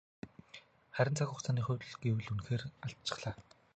Харин цаг хугацааны хувьд гэвэл үнэхээр алдчихлаа.